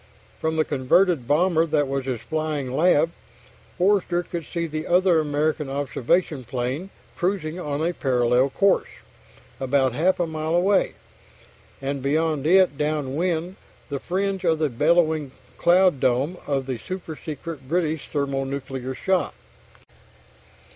From the converted bomber that was his flying lab, Forster could see the other American observation plane cruising on a parallel course, about half a mile away, and beyond it downwind the fringe of the billowing cloud dome of the super secret British thermonuclear shot.